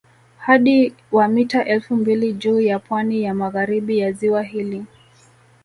Hadi wa mita elfu mbili juu ya pwani ya magharibi ya ziwa hili